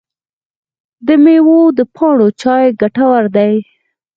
د میوو د پاڼو چای ګټور دی؟